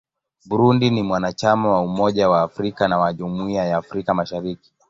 Burundi ni mwanachama wa Umoja wa Afrika na wa Jumuiya ya Afrika Mashariki.